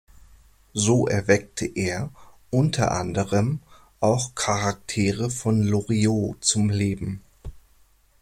So erweckte er unter anderem auch Charaktere von Loriot zum Leben.